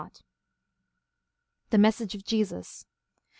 The message of Jesus.